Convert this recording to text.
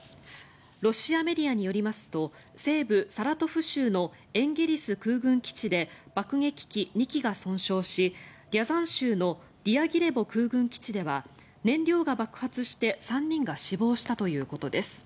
ロシアメディアによりますと西部サラトフ州のエンゲリス空軍基地で爆撃機２機が損傷しリャザン州のディアギレボ空軍基地では燃料が爆発して３人が死亡したということです。